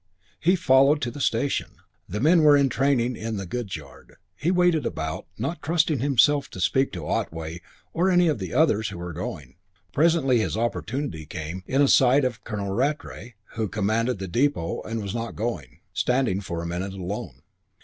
He followed to the station. The men were entraining in the goods yard. He waited about, not trusting himself to speak to Otway or any of the others who were going. Presently his opportunity came in a sight of Colonel Rattray, who commanded the depot and was not going, standing for a minute alone.